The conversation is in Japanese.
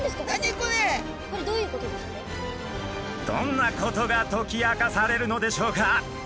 どんなことが解き明かされるのでしょうか？